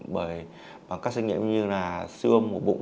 bởi các sinh nghiệm như siêu âm mổ bụng